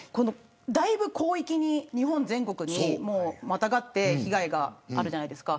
だいぶ広域に日本全国で被害があるじゃないですか。